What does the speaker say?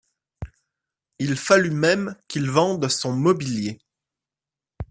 Il fallut même qu’il vende son mobilier.